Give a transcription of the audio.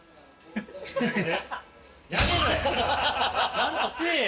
ちゃんとせえや。